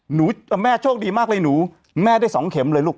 แม่โชคดีมากเลยหนูแม่ได้สองเข็มเลยลูก